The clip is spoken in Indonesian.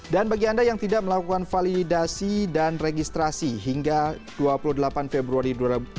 dan bagi anda yang tidak melakukan validasi dan registrasi hingga dua puluh delapan februari dua ribu delapan belas